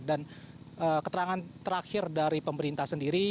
dan keterangan terakhir dari pemerintah sendiri